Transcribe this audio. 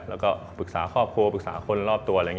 แล้วก็ปรึกษาครอบครัวปรึกษาคนรอบตัว